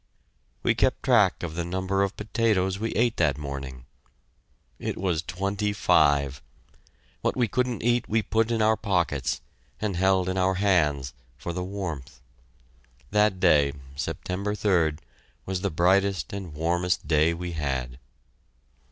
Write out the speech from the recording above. We kept track of the number of potatoes we ate that morning. It was twenty five! What we couldn't eat we put in our pockets, and held in our hands for the warmth. That day, September 3d, was the brightest and warmest day we had.